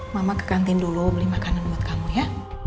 mama ke kantin dulu beli makanan buat kamu ya